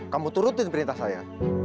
kamu turutin perintah saya